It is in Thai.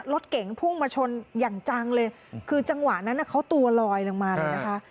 รถเก๋งพุ่งมาชนอย่างจังเลยคือจังหวะนั้นเขาตัวลอยลงมาเลยนะคะ